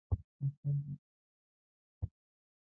مثلاً پخوا سپر ؤ.